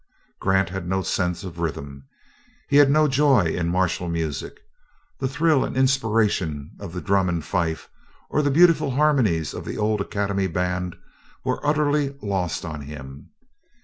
"Grant had no sense of rhythm. He had no joy in martial music. The thrill and inspiration of the drum and fife, or the beautiful harmonies of the old Academy band were utterly lost on him.